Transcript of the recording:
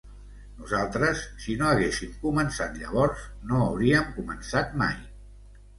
Nosaltres, si no haguéssim començat llavors, no hauríem començat mai.